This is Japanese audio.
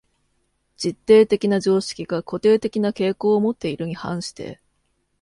実定的な常識が固定的な傾向をもっているに反して、